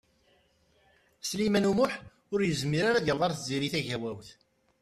Sliman U Muḥ ur yezmir ara ad yaweḍ ar Tiziri Tagawawt.